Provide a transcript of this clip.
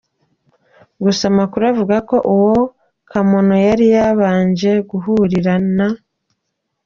Gusa amakuru avuga ko uwo Kamono yari yabanje guhurira na